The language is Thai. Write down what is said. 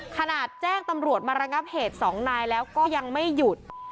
แจ้งตำรวจมาระงับเหตุสองนายแล้วก็ยังไม่หยุด